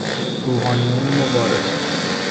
روحانیون مبارز